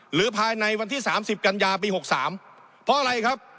หรือภายในวันที่๓๐กันยาปี๖๓เพราะอะไรครับ